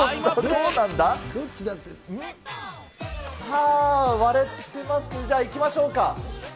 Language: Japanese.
さあ、割れてます、じゃあいきましょうか。